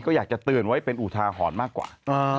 ก็อยากจะเตือนไว้เป็นอุทาหรณ์มากกว่า